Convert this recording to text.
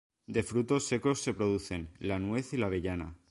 De frutos secos se producen, la nuez y la avellana.